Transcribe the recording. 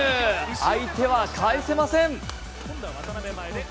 相手は返せません。